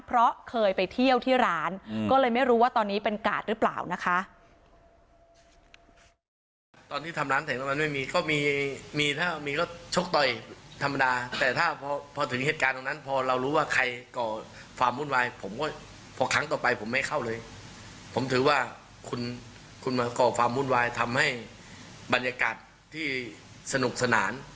เพราะเคยไปเที่ยวที่ร้านก็เลยไม่รู้ว่าตอนนี้เป็นกาดหรือเปล่านะคะ